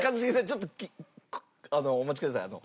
ちょっとあのお待ちください。